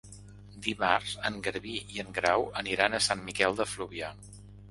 Dimarts en Garbí i en Grau aniran a Sant Miquel de Fluvià.